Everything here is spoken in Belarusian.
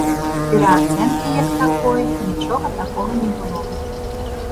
Пераацэнкі як такой, нічога такога не было.